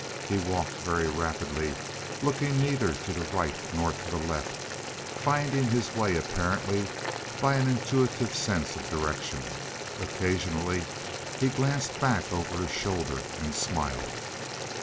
He walked very rapidly, looking neither to the right nor to the left, finding his way apparently by an intuitive sense of direction. Occasionally he glanced back over his shoulder and smiled.